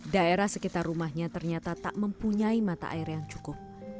daerah sekitar rumahnya ternyata tak mempunyai mata air yang cukup